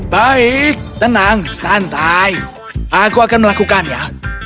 baik tenang santai aku akan melakukannya